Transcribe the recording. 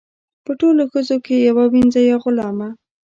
په ټولو ښځو کې یوه وینځه یا غلامه.